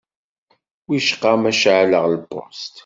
Wicqa ma ceεleɣ lpusṭ?